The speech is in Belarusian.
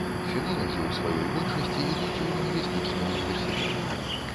Філолагі ў сваёй большасці ідуць у лінгвістычны ўніверсітэт.